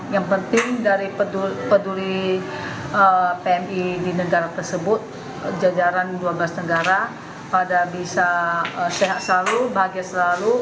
yang penting dari peduli pmi di negara tersebut jajaran dua belas negara pada bisa sehat selalu bahagia selalu